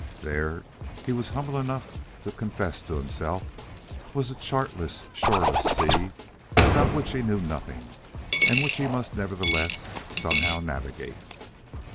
There, he was humble enough to confess to himself, was a chartless, shoreless sea, about which he knew nothing and which he must nevertheless somehow navigate.